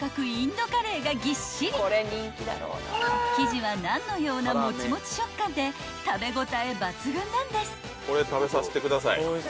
［生地はナンのようなもちもち食感で食べ応え抜群なんです］